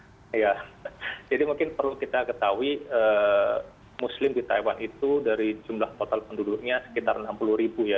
jadi mungkin perlu kita ketahui muslim di taiwan itu dari jumlah total penduduknya sekitar enam puluh ribu ya